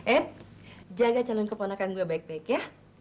eh jaga calon keponakan gue baik baik ya